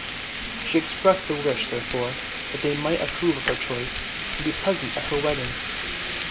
She expressed a wish, therefore, that they might approve of her choice, and be present at her Avedding.